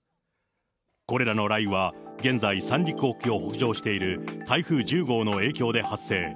これらの雷雨は現在、三陸沖を北上している台風１０号の影響で発生。